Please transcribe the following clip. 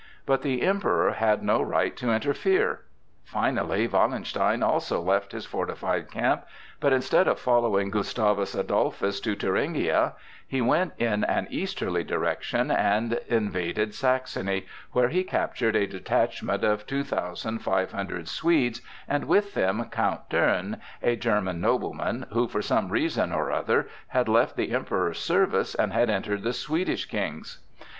But the Emperor had no right to interfere! Finally Wallenstein also left his fortified camp, but instead of following Gustavus Adolphus to Thuringia, he went in an easterly direction and invaded Saxony, where he captured a detachment of two thousand five hundred Swedes and with them Count Thurn, a German nobleman, who for some reason or other had left the Emperor's service and had entered the Swedish King's.